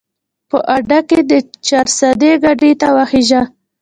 په اډه کښې د چارسدې ګاډي ته وخېژه